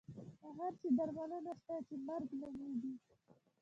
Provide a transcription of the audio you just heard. د هر شي درملنه شته چې مرګ نومېږي.